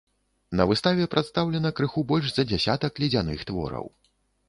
На выставе прадстаўлена крыху больш за дзясятак ледзяных твораў.